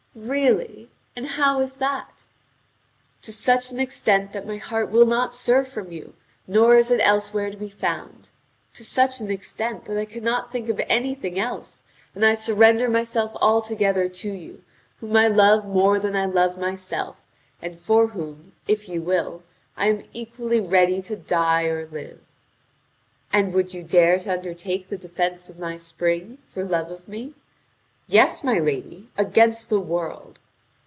"Really? And how is that?" "To such an extent that my heart will not stir from you, nor is it elsewhere to be found; to such an extent that I cannot think of anything else, and I surrender myself altogether to you, whom I love more than I love myself, and for whom, if you will, I am equally ready to die or live." "And would you dare to undertake the defence of my spring for love of me?" "Yes, my lady, against the world."